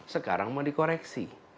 sekarang mau dikoreksi